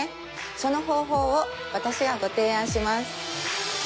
その方法を私がご提案します